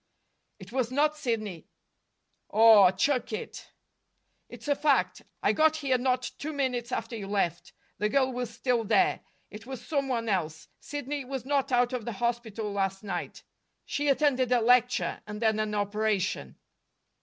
"It was not Sidney." "Aw, chuck it!" "It's a fact. I got here not two minutes after you left. The girl was still there. It was some one else. Sidney was not out of the hospital last night. She attended a lecture, and then an operation."